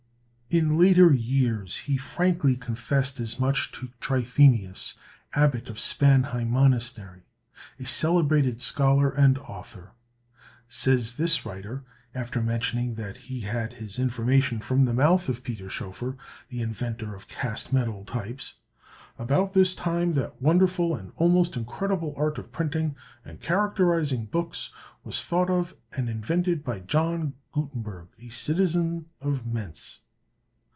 In later years he frankly confessed as much to Trithemius, Abbot of Spanheim Monastery, a celebrated scholar and author. Says this writer, after mentioning that he had his information from the mouth of Peter Schoeffer, the inventor of cast metal types: "About this time that wonderful and almost incredible art of printing and characterizing books, was thought of and invented by John Gutenberg, a citizen of Mentz."